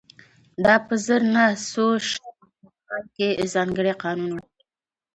دا په زر نه سوه شپېته کال کې ځانګړی قانون و